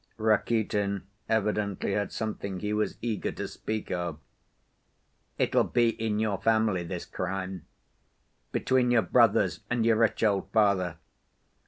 Rakitin evidently had something he was eager to speak of. "It'll be in your family, this crime. Between your brothers and your rich old father.